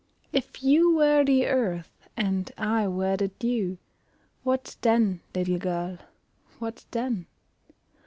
If you were the Earth and I were the Dew, What then, little girl, what then?